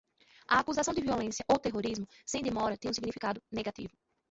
A acusação de "violência" ou "terrorismo" sem demora tem um significado negativo